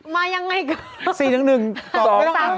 มายังไงกัน